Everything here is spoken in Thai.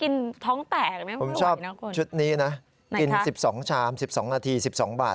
ใช่ผมชอบชุดนี้นะกิน๑๒ชาม๑๒นาที๑๒บาท